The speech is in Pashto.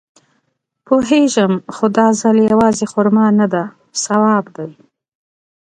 پوېېږم خو دا ځل يوازې خرما نده ثواب دی.